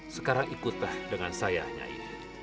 sekarang ikutlah dengan saya